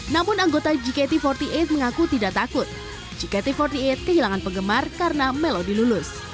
namun anggota gkt empat puluh delapan mengaku tidak takut gkt empat puluh delapan kehilangan penggemar karena melodi lulus